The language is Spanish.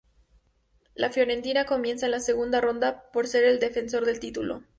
La Fiorentina comienza en la segunda ronda por ser el defensor del título.